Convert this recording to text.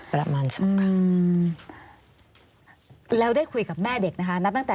ประมาณ๒ครั้ง